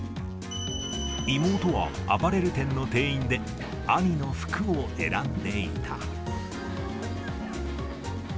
妹はアパレル店の店員で、兄の服を選んでいた。